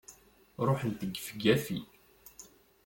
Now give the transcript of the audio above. Ruḥent gefgafi!